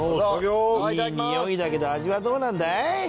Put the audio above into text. いいにおいだけど味はどうなんだい？